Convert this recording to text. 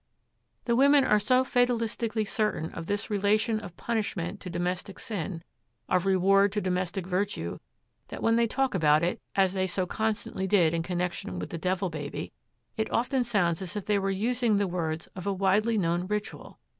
The women are so fatalistically certain of this relation of punishment to domestic sin, of reward to domestic virtue, that when they talk about it, as they so constantly did in connection with the Devil Baby, it often sounds as if they were using the words of a widely known ritual.